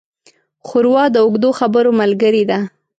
ښوروا د اوږدو خبرو ملګري ده.